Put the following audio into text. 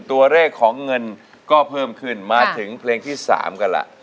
ตัวเลขของเงินก็เพิ่มขึ้นมาถึงเพลงที่๓กันล่ะ